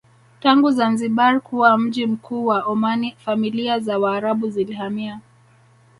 Tangu Zanzibar kuwa mji mkuu wa Omani familia za waarabu zilihamia